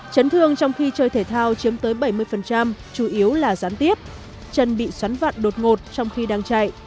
chấn thương trong khi chơi thể thao chiếm tới bảy mươi chủ yếu là gián tiếp chân bị xoắn vạn đột ngột trong khi đang chạy